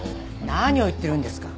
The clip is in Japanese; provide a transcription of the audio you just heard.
何を言ってるんですか。